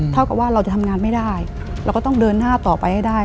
เท่ากับว่าเราจะทำงานไม่ได้เราก็ต้องเดินหน้าต่อไปให้ได้